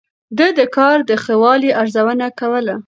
ده د کار د ښه والي ارزونه کوله.